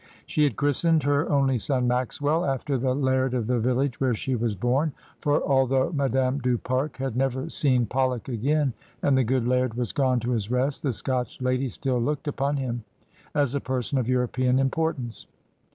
She had christened her only son Maxwell, after the laird of the village where she was bom, for although Madame du Pare had never seen PoUok again, and the good laird was gone to his rest, the Scotch lady still looked upon him as a person of European importance.